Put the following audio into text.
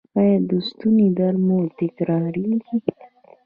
ایا د ستوني درد مو تکراریږي؟